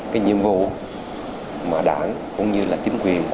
cái nhiệm vụ mà đảng cũng như là chính quyền